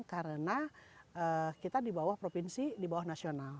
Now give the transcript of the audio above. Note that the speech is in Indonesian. karena kita di bawah provinsi di bawah nasional